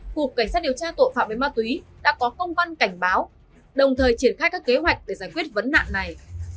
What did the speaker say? cục cảnh sát điều tra tội phạm về ma túy đã có công văn cảnh báo đồng thời triển khai các kế hoạch để giải quyết vấn nạn này